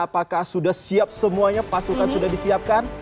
apakah sudah siap semuanya pasukan sudah disiapkan